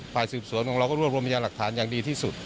แล้วก็ปลายสืบสวนของเราก็รวบรวมยังหลักฐานที่อย่ามีอย่างดีที่สุด